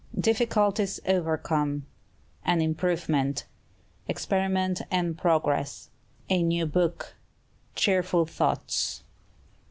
Difficulties overcome. An Improvement. Experiment and Progress. A New Book. Cheerful Thoughts.